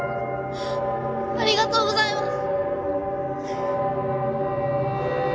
ありがとうございます